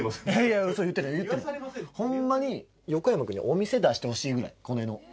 ホンマに横山くんにお店出してほしいぐらいこれの。